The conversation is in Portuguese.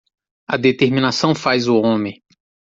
A determinação faz o homen.